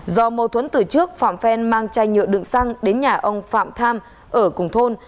do mâu thuẫn từ trước phạm phen mang chai nhựa đựng xăng đến nhà ông phạm tham ở cùng thôn